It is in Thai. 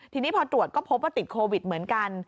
ทีนี้พอตรวจก็พบว่าติดโควิดเหมือนกัน